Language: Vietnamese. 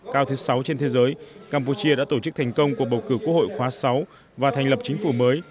cao thứ sáu trên thế giới campuchia đã tổ chức thành công cuộc bầu cử quốc hội khóa sáu và thành lập chính phủ mới